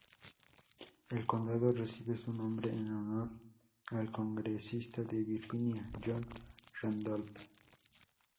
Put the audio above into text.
El condado recibe su nombre en honor al Congresista de Virginia John Randolph.